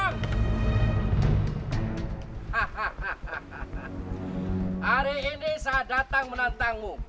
hahaha hari ini saya datang menantangmu